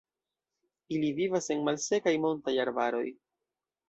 Ili vivas en malsekaj montaj arbaroj.